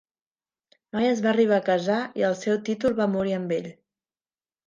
Mai es va arribar a casar, i el seu títol va morir amb ell.